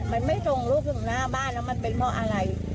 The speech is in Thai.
มันไม่ส่งลูกถึงหน้าบ้านแล้วมันเป็นเพราะอะไร